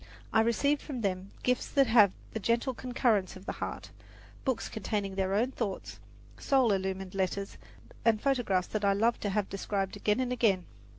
I received from them gifts that have the gentle concurrence of the heart, books containing their own thoughts, soul illumined letters, and photographs that I love to have described again and again.